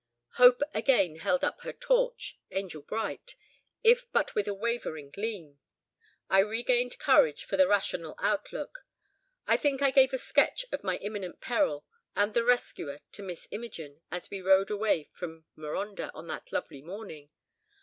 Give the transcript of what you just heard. Hope again held up her torch, angel bright, if but with a wavering gleam. I regained courage for a rational outlook. I think I gave a sketch of my imminent peril and the rescuer to Miss Imogen, as we rode away from Marondah on that lovely morning.